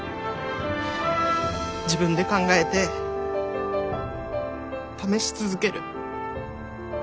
自分で考えて試し続ける。